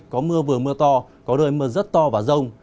có mưa vừa mưa to có nơi mưa rất to và rông